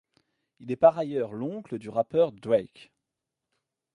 Il est par ailleurs l'oncle du rappeur Drake.